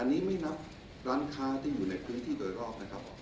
อันนี้ไม่นับร้านค้าที่อยู่ในพื้นที่โดยรอบนะครับ